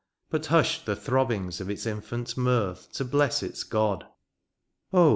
But hushed the throbbings of its infant mirth To bless its God— oh!